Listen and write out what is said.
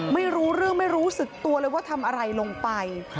ไม่รู้เรื่องไม่รู้สึกตัวเลยว่าทำอะไรลงไป